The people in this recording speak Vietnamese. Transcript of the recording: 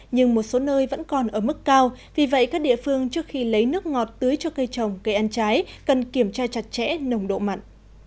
nhưng một số nơi vẫn còn ở mức cao vì vậy các địa phương trước khi lấy nước ngọt tưới cho cây trồng cây ăn trái cần kiểm tra chặt chẽ nồng độ mặn